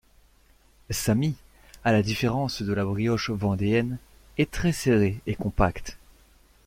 Sa mie, à la différence de la brioche vendéenne, est très serrée et compacte.